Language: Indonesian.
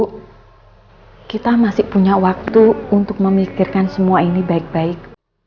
kita masih punya waktu untuk memikirkan semua ini baik baik